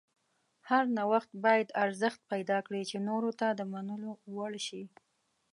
هر نوښت باید ارزښت پیدا کړي چې نورو ته د منلو وړ شي.